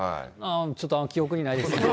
ちょっと記憶にないですけど。